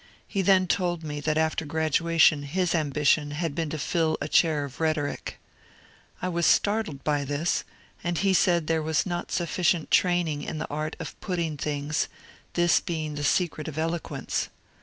He then told me that after graduation his ambition had been to fill a chair of rhetoric. I was startled by this, and he said that there was not sufficient training in the art of putting things, this being the secret of eloquence.